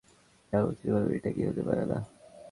তারা মুসলিম বাহিনী এটা কি হতে পারে না?